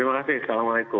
terima kasih assalamualaikum